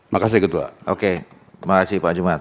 makasih ketua oke makasih pak jumat